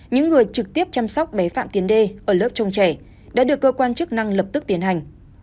những người trực tiếp chăm sóc bé phạm tiến đê ở lớp trông trẻ đã được cơ quan chức năng lập tức tiến hành